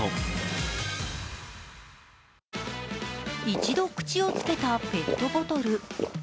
一度口をつけたペットボトル。